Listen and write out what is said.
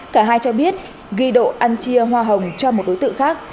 cả hai cho biết ghi độ ăn chia hoa hồng cho một đối tượng khác